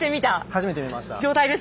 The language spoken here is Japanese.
初めて見ました。